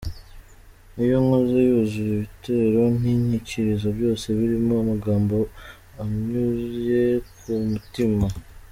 Niyo nkoze yuzuye, ibitero n’inyikirizo byose birimo amagambo amvuye ku mutima.